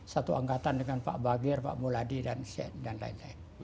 satu angkatan dengan pak bagir pak muladi dan lain lain